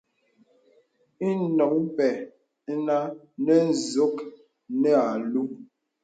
Ìnùŋ pɛ̂ inə nə nzùk nə alūū.